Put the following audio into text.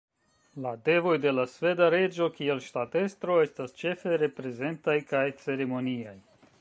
La devoj de la sveda reĝo kiel ŝtatestro estas ĉefe reprezentaj kaj ceremoniaj.